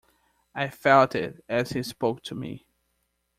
I felt it as he spoke to me.